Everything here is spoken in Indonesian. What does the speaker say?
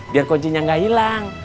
biar kuncinya gak hilang